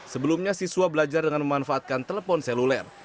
sebelumnya siswa belajar dengan memanfaatkan telepon seluler